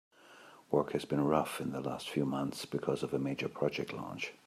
Work has been rough in the last few months because of a major project launch.